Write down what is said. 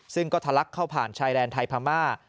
ซึ่งก็ทะลักเข้าผ่านชายแดนไทยพม่า